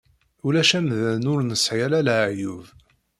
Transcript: Ulac amdan ur nesɛi ara leɛyub.